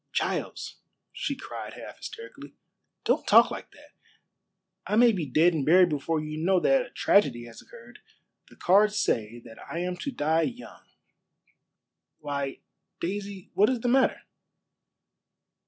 "Giles," she cried half hysterically, "don't talk like that. I may be dead and buried before you know that a tragedy has occurred. The cards say that I am to die young." "Why, Daisy, what is the matter?"